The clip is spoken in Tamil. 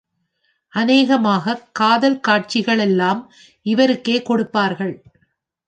அநேகமாகக் காதல் காட்சிகளெல்லாம் இவருக்கே கொடுப்பார்கள்.